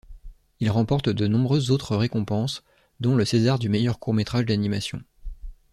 Il remporte de nombreuses autres récompenses, dont le César du meilleur court métrage d'animation.